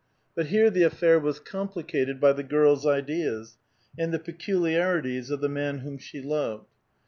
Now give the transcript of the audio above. But here the affair was complicated by the girl's ideas, and the peculiarities of the man whom she loved.